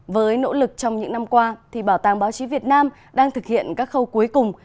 với nỗ lực trong những năm qua bảo tàng báo chí việt nam đang thực hiện các khâu cuối cùng